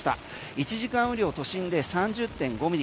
１時間雨量都心で３０．５ミリ。